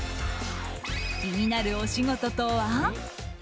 気になるお仕事とは？